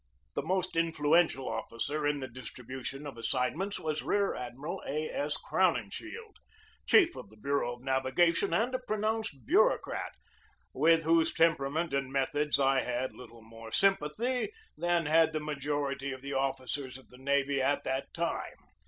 The most influential officer in the distribution of assignments was Rear Admiral A. S. Crowninshield, chief of the bureau of navigation, and a pronounced bureaucrat, with whose temperament and methods I had little more sympathy than had the majority of the officers of the navy at that time.